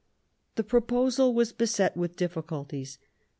The proposal was beset with diffi culties.